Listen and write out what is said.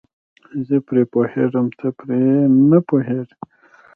زه پرې پوهېږم ته پرې نه پوهیږې.